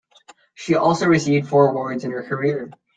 She also received four awards in her career.